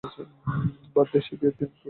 বাদ দে, সে বিয়ের দিন তোর সাথে থাকবে।